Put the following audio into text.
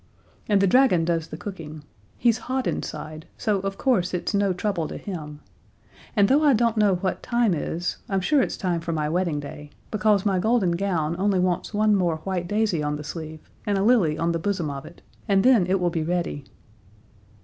And the dragon does the cooking he's hot inside, so, of course, it's no trouble to him; and though I don't know what Time is I'm sure it's time for my wedding day, because my golden gown only wants one more white daisy on the sleeve, and a lily on the bosom of it, and then it will be ready."